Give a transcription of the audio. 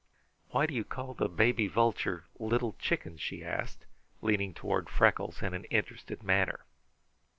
"Why do you call the baby vulture 'Little Chicken'?" she asked, leaning toward Freckles in an interested manner.